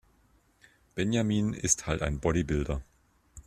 Benjamin ist halt ein Bodybuilder.